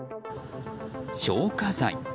消火剤。